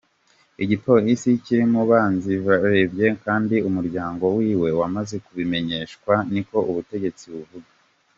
Igipolisi kiri mu kibanza vyabereyemwo kandi umuryango wiwe wamaze kubimenyeshwa, niko ubutegetsi buvuga.